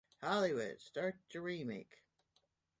Hollywood, start your remake.